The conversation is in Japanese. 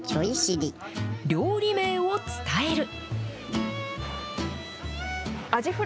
料理名を伝える。